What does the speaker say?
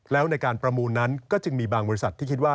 แล้วในการประมูลนั้นก็จึงมีบางบริษัทที่คิดว่า